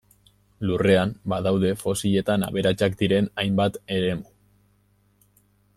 Lurrean badaude fosiletan aberatsak diren hainbat eremu.